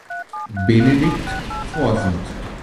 Benedikt vorsieht.